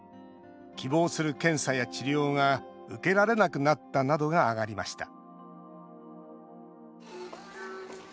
「希望する検査や治療が受けられなくなった」などが挙がりました